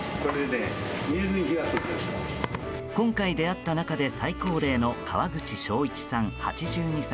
今回、出会った中で最高齢の川口昇一さん、８２歳。